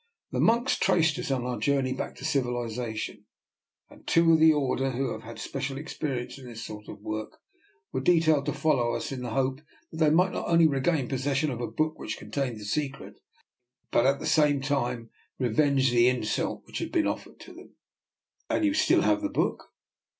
The monks traced us on our journey back to civilization, and two of the DR. NIKOLA'S EXPERIMENT. 243 Order, who have had special experience in this sort of work, were detailed to follow us, in the hope that they might not only regain pos session of a book which contained the secret, but at the same time revenge the insult which had been offered to them." " And you still have that book?